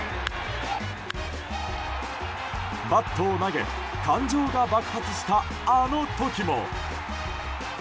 バットを投げ、感情が爆発したあの時も。